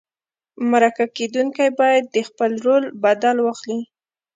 مرکه کېدونکی باید د خپل رول بدل واخلي.